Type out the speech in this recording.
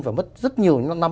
và mất rất nhiều năm